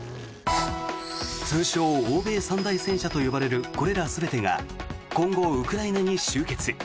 通称・欧米三大戦車と呼ばれるこれら全ての戦車が今後、ウクライナに集結。